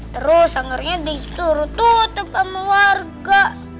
terus sangernya disuruh tutup sama warga